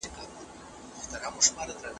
آیا د زړه خبره د ژبي تر خبري ریښتینې ده؟